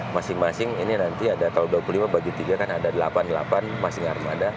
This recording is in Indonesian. masing masing ini nanti ada kalau dua puluh lima bagi tiga kan ada delapan delapan masingnya harus ada